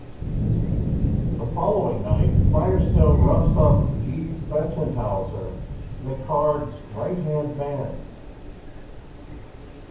The following night, Firestone roughs up Guy Bettenhauser, McCarg's right-hand man.